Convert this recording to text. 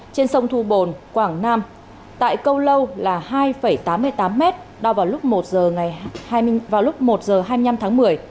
trên sông thu bồn quảng nam tại câu lâu là hai tám mươi tám m đau vào lúc một h hai mươi năm tháng một mươi